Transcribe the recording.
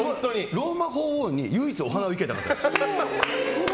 ローマ法王に唯一、お花を生けた方です。